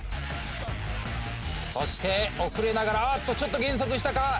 そして遅れながらあっとちょっと減速したか？